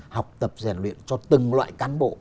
học tập rèn luyện cho từng loại cán bộ